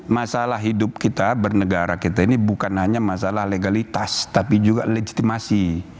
masalah hidup kita bernegara kita ini bukan hanya masalah legalitas tapi juga legitimasi